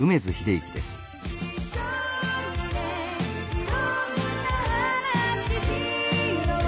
「いろんな話ししよう」